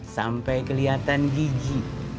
sampai kelihatan gigi